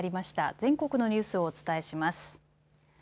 全国のニュースをお伝えします。